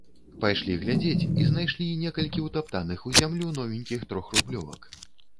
Пайшлі глядзець і знайшлі некалькі ўтаптаных у зямлю новенькіх трохрублёвак.